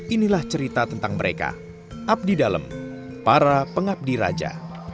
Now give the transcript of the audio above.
inilah cerita tentang mereka abdi dalam para pengabdi raja